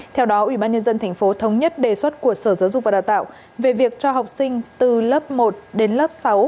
theo đó ubnd tp thống nhất đề xuất của sở giáo dục và đào tạo về việc cho học sinh từ lớp một đến lớp sáu